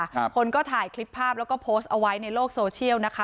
คนก็ถ่ายคลิปภาพแล้วก็โพสต์เอาไว้ในโลกโซเชียลนะคะ